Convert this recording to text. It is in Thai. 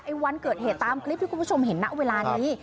วันเกิดเหตุตามคลิปที่คุณผู้ชมเห็นณเวลานี้